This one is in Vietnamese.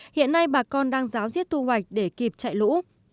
hiện nay bà con đang giáo diết thu hoạch để kịp chạy lũ